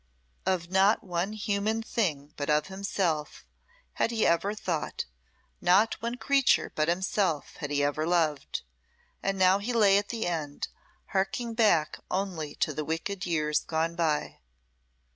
Of not one human thing but of himself had he ever thought, not one creature but himself had he ever loved and now he lay at the end, harking back only to the wicked years gone by.